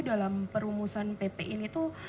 dalam perumusan pp ini tuh